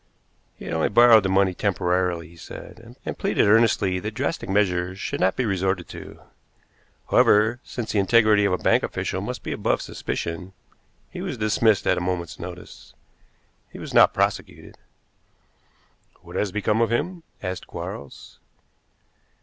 He had only borrowed the money temporarily, he said, and pleaded earnestly that drastic measures should not be resorted to. However, since the integrity of a bank official must be above suspicion, he was dismissed at a moment's notice. He was not prosecuted." "What has become of him?" asked Quarles.